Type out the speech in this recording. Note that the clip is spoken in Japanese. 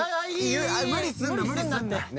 無理すんな無理すんなね